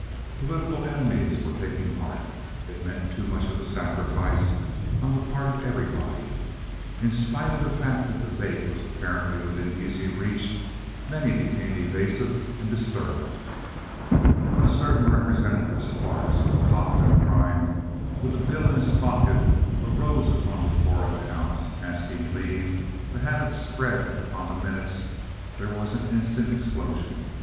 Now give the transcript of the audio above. Political enemies were taking heart. It meant too much of a sacrifice on the part of everybody. In spite of the fact that the bait was apparently within easy reach, many became evasive and disturbed. When a certain Representative Sparks, cocked and primed, with the bill in his pocket, arose upon the floor of the house, asking leave to have it spread upon the minutes, there was an instant explosion.